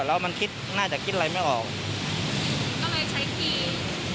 แล้วมันคิดน่าจะคิดอะไรไม่ออกก็เลยใช้ที